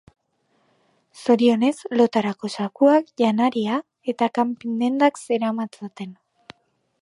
Zorionez, lotarako zakuak, janaria eta kanpin dendak zeramatzaten.